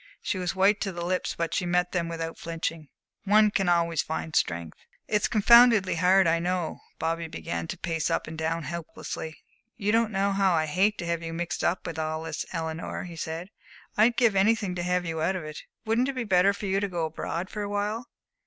She was white to the lips, but she met them without flinching. "One can always find strength." "It's confoundedly hard, I know." Bobby began to pace up and down helplessly. "You don't know how I hate to have you mixed up in all this, Eleanor," he said. "I'd give anything to have you out of it. Wouldn't it be better for you to go abroad for awhile?"